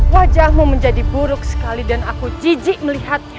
wajahmu menjadi buruk sekali dan aku jijik melihat